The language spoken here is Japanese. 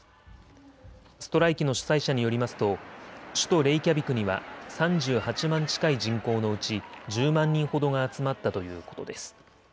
ストライキの主催者によりますと首都レイキャビクには３８万近い人口のうち１０万人ほどが集まったということです。